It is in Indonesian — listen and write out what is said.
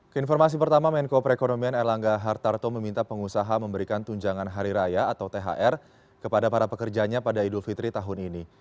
keinformasi pertama menko perekonomian erlangga hartarto meminta pengusaha memberikan tunjangan hari raya atau thr kepada para pekerjanya pada idul fitri tahun ini